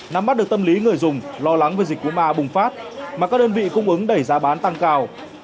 nắm mắt được tâm lý người dùng lo lắng về dịch của ma bùng phát mà các đơn vị cung ứng đẩy giá bán tăng cao